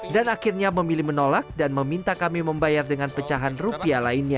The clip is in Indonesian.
dan akhirnya memilih menolak dan meminta kami membayar dengan pecahan rupiah lainnya